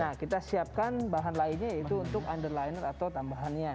nah kita siapkan bahan lainnya yaitu untuk underliner atau tambahannya